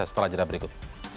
setelah jadwal berikut